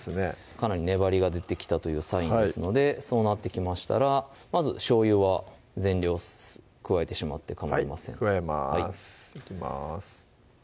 かなり粘りが出てきたというサインですのでそうなってきましたらまずしょうゆは全量加えてしまってかまいません加えますいきます